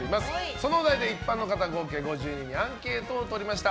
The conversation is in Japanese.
そのお題で一般の方合計５０人にアンケートをとりました。